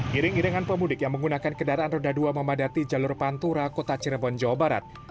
giring iringan pemudik yang menggunakan kendaraan roda dua memadati jalur pantura kota cirebon jawa barat